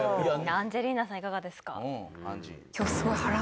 アンジェリーナさんいかがですか？